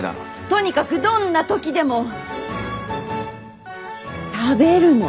とにかくどんな時でも食べるの。